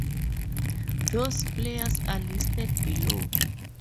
Those players are listed below.